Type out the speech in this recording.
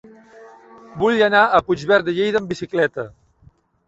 Vull anar a Puigverd de Lleida amb bicicleta.